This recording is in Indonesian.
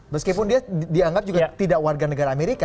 meskipun dia dianggap juga tidak warga negara amerika